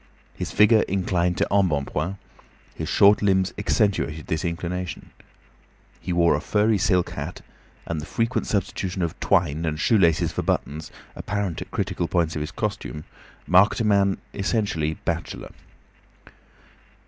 His figure inclined to embonpoint; his short limbs accentuated this inclination. He wore a furry silk hat, and the frequent substitution of twine and shoe laces for buttons, apparent at critical points of his costume, marked a man essentially bachelor.